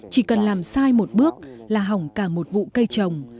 chỉ cần làm sai một bước là hỏng cả một vụ cây trồng